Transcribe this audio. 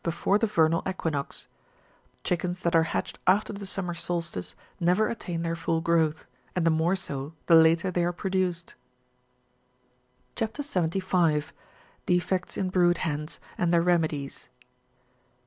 535 before the vernal equinox : chickens that are hatched after the summer solstice, never attain their full growth, and the more so, the later they are produced. CHAP. 75. (54.) DEFECTS IN BEOOD HENS, AND THEIB EEMEDIES.